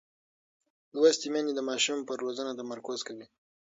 لوستې میندې د ماشوم پر روزنه تمرکز کوي.